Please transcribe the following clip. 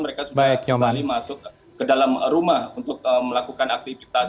mereka sudah kembali masuk ke dalam rumah untuk melakukan aktivitas